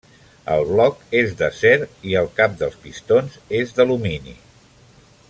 El bloc és d'acer i el cap dels pistons és d'alumini.